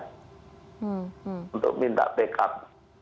untuk minta tkp